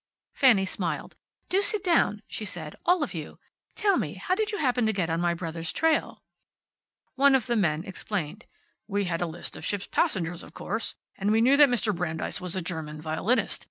Fanny smiled. "Do sit down," she said, "all of you. Tell me, how did you happen to get on my brother's trail?" One of the men explained. "We had a list of ship's passengers, of course. And we knew that Mr. Brandeis was a German violinist.